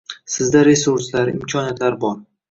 Sizda resurslar, imkoniyatlar bor